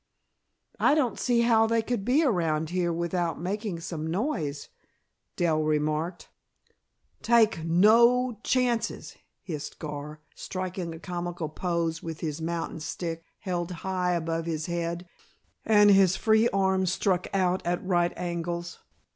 "I don't see how they could be around here without making some noise," Dell remarked. "Take no chances!" hissed Gar, striking a comical poise with his mountain stick held high above his head, and his free arm struck out at right angles.